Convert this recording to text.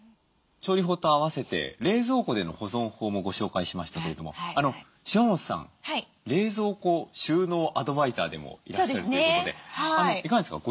調理法と併せて冷蔵庫での保存法もご紹介しましたけれども島本さん冷蔵庫収納アドバイザーでもいらっしゃるということでいかがですか？